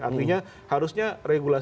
artinya harusnya regulasinya